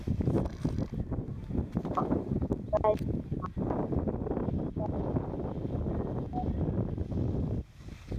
ushinani wa utangazaji unafanyika katika mikoa mbalimbali